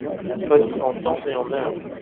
Sois-y en temps et en heure !